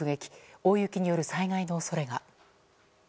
大雪による災害の恐れが。